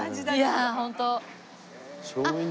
いやホント。